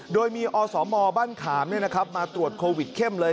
โดยมีอสมบ้านขามมาตรวจโควิดเข้มเลย